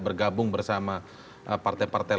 bergabung bersama partai partai